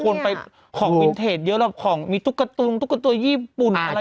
ควรไปของวินเทจเยอะแล้วของมีทุกการ์ตูนทุกการ์ตูญี่ปุ่นอะไรอย่างนี้